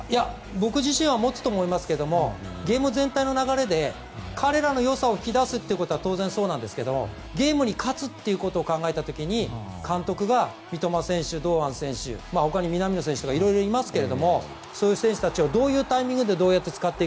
僕自身は持つと思いますけどゲーム全体の流れで彼らの良さを引き出すのは当然そうなんですけどゲームに勝つことを考えた時に監督が三笘選手、堂安選手他に南野選手とかいろいろいますけどもそういう選手たちをどのタイミングでどう使うか。